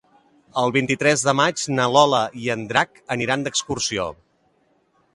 El vint-i-tres de maig na Lola i en Drac aniran d'excursió.